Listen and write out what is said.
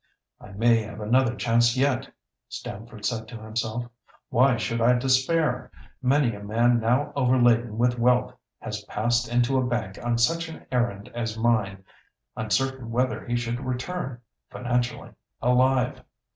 "I may have another chance yet," Stamford said to himself. "Why should I despair? Many a man now overladen with wealth has passed into a bank on such an errand as mine, uncertain whether he should return (financially) alive.